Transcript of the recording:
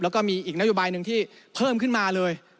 แล้วก็มีอีกนโยบายหนึ่งที่เพิ่มขึ้นมาเลย